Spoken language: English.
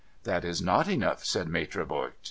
' That is not enough,' said Maitre Voigt.